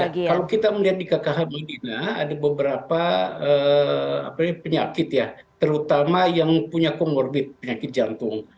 kalau kita melihat di kkh medina ada beberapa penyakit ya terutama yang punya comorbid penyakit jantung